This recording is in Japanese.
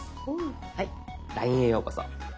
はい「ＬＩＮＥへようこそ」。